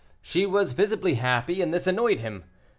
She was visibly happy, and this annoyed him.